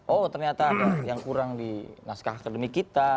oh ternyata ada yang kurang di naskah akademik kita